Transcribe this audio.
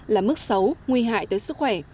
là mức xấu nguy hại tới sức khỏe